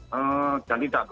hmm dan tidak